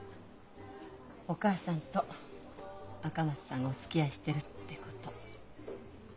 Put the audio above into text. お母さんと赤松さんがおつきあいしてるってこと。